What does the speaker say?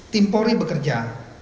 tim polri bekerja